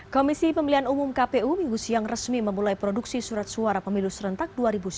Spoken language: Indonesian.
komisi pemilihan umum kpu minggu siang resmi memulai produksi surat suara pemilu serentak dua ribu sembilan belas